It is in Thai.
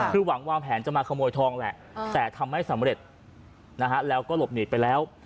คือหวังวางแผนจะมาขโมยทองแหละแต่ทำไม่สำเร็จนะฮะแล้วก็หลบหนีไปแล้ว